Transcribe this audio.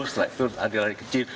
setelah itu adil adil kecil